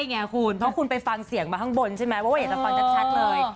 เพราะว่าคุณไปฟังเสียงมาข้างบนใช่ไหมว่าเอ๋จะฟังชัดเลย